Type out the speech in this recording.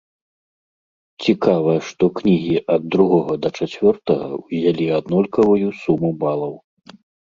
Цікава, што кнігі ад другога да чацвёртага ўзялі аднолькавую суму балаў.